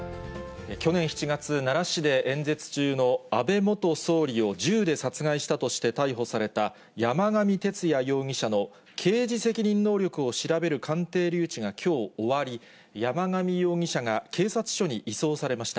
去年７月、奈良市で演説中の安倍元総理を銃で殺害したとして逮捕された山上徹也容疑者の刑事責任能力を調べる鑑定留置がきょう終わり、山上容疑者が警察署に移送されました。